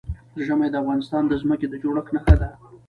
ژمی د افغانستان د ځمکې د جوړښت نښه ده.